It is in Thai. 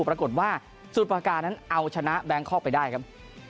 ปรากฏว่าสุดประการนั้นเอาชนะแบงคอกไปได้ครับ